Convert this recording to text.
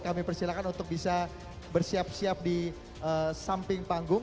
kami persilakan untuk bisa bersiap siap di samping panggung